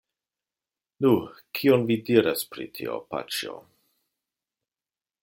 Nu! kion vi diras pri tio, paĉjo?